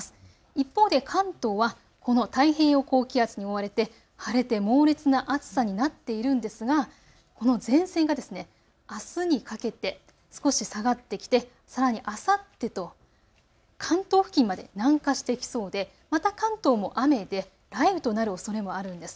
一方で関東はこの太平洋高気圧に覆われて晴れて猛烈な暑さになっているんですがこの前線があすにかけて少し下がってきてさらにあさってと関東付近まで南下してきそうでまた関東も雨で雷雨となるおそれもあるんです。